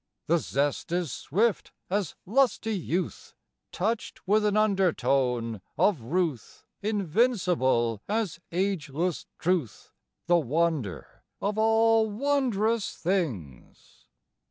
The zest is swift as lusty youth, (Touched with an undertone of ruth,) Invincible as ageless truth, The wonder of all wondrous things!